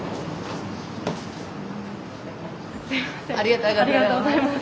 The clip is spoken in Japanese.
ありがとうございます。